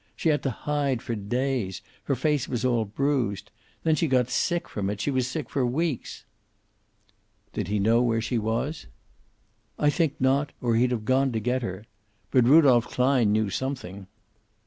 She had to hide for days. Her face was all bruised. Then she got sick from it. She was sick for weeks." "Did he know where she was?" "I think not, or he'd have gone to get her. But Rudolph Klein knew something.